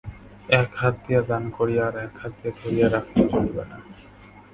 এক হাত দিয়া দান করিয়া আর-এক হাত দিয়া ধরিয়া রাখিলে চলবে না।